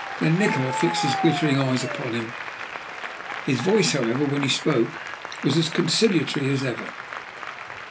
Then Nikola fixed his glittering eyes upon him. His voice, however, when he spoke was as conciliatory as ever.